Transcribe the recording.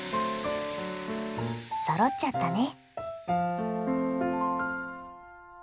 そろっちゃったね。